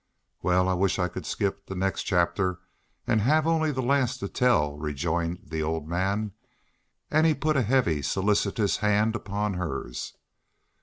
"Wal, I wish I could skip the next chapter an' hev only the last to tell," rejoined the old man, and he put a heavy, but solicitous, hand upon hers....